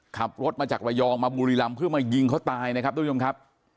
ขับรถมาจากระยองมาบุรีรำเพื่อมายิงเขาตายนะครับทุกผู้ชมครับ